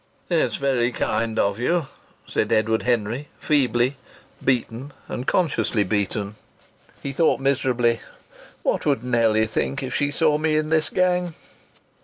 "It's very kind of you," said Edward Henry, feebly; beaten, and consciously beaten. (He thought miserably: "What would Nellie think if she saw me in this gang?")